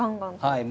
はい。